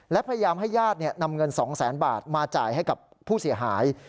และพยายามให้ญาตินำเงิน๒๐๐๐๐บาทมาจ่ายให้กับผู้เสียหาย